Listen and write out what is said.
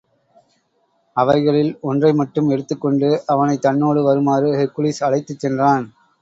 அவைகளில் ஒன்றை மட்டும் எடுத்துக் கொண்டு அவனைத் தன்னோடு வருமாறு ஹெர்க்குலிஸ் அழைத்துச் சென்றான்.